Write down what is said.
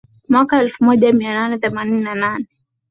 mwaka elfu moja mia nane themanini na nane